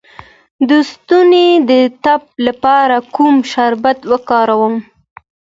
د ستوني د ټپ لپاره کوم شربت وکاروم؟